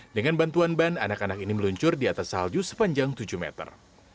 dengan bantuan ban anak anak ini meluncur di atas salju sepanjang tujuh meter